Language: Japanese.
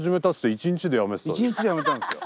１日でやめたんですよ。